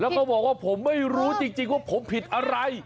แล้วก็บอกว่าผมไม่รู้จริงว่าผมผิดอะไร